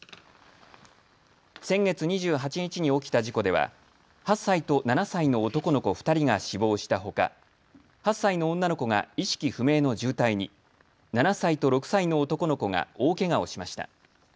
先月２８日に起きた事故では８歳と７歳の男の子２人が死亡したほか８歳の女の子が意識不明の重体に、７歳と６歳の男の子が大けがをしました。